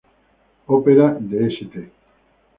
Ópera de St.